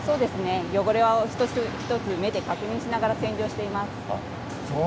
汚れは一つ一つ、目で確認しながら洗浄しています。